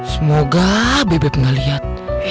semoga bebek gak lihat